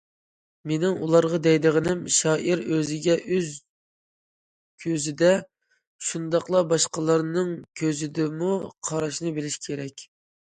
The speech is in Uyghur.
مېنىڭ ئۇلارغا دەيدىغىنىم: شائىر ئۆزىگە ئۆز كۆزىدە، شۇنداقلا باشقىلارنىڭ كۆزىدىمۇ قاراشنى بىلىشى كېرەك.